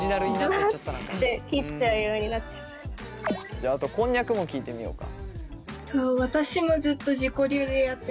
じゃああとこんにゃくも聞いてみようか。